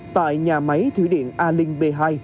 tại nhà máy thủy điện a linh b hai